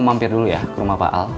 mampir dulu ya ke rumah pak al